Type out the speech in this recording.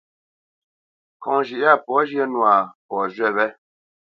Ŋkɔŋ zhʉ̌ʼ yâ pɔ̌ zhyə̄ nwâ, pɔ̌ zhywí wé.